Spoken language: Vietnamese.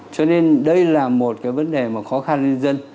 cho nên đây là một cái vấn đề khó khăn cho dân